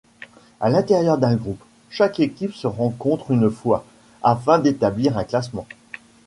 À l'intérieur d'un groupe, chaque équipe se rencontre une fois, afin d'établir un classement.